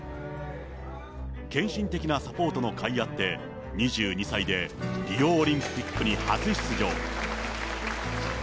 献身的なサポートのかいあって、２２歳でリオオリンピックに初出場。